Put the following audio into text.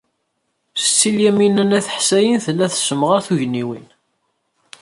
Setti Lyamina n At Ḥsayen tella tessemɣar tugniwin.